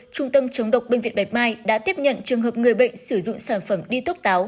trung tâm chống độc bệnh viện bạch mai đã tiếp nhận trường hợp người bệnh sử dụng sản phẩm đi thuốc táo